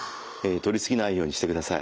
とり過ぎないようにしてください。